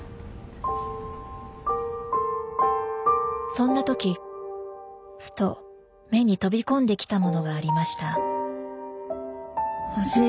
そんな時ふと目に飛び込んできたものがありました。